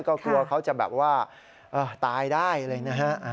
ก็กลัวเขาจะแบบว่าตายได้เลยนะฮะ